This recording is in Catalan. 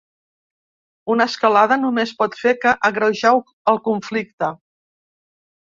Una escalada només pot fer que agreujar el conflicte.